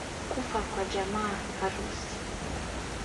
Kufa kwa jamaa, harusi